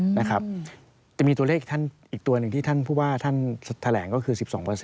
นะครับจะมีตัวเลขท่านอีกตัวหนึ่งที่ท่านผู้ว่าท่านแถลงก็คือ๑๒